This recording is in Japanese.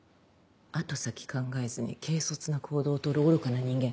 後先考えずに軽率な行動を取る愚かな人間。